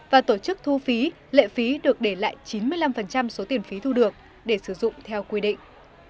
và tổ chức thu phí lệ phí được để lại chín mươi năm số tiền phí thu được để sử dụng theo quy định